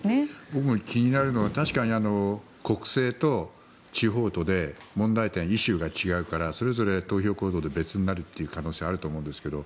僕も気になるのは確かに、国政と地方とで問題点、イシューが違うからそれぞれ投票行動で別になるという可能性はあると思うんですけど